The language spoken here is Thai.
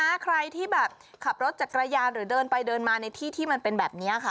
ถ้าใครที่แบบขับรถจักรยานหรือเดินไปเดินมาในที่ที่มันเป็นแบบนี้ค่ะ